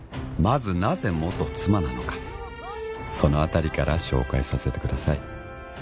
まずなぜ元妻なのかそのあたりから紹介させてください